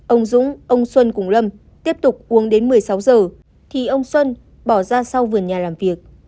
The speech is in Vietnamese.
ông dũng ông xuân cùng lâm tiếp tục uống đến một mươi sáu giờ thì ông xuân bỏ ra sau vườn nhà làm việc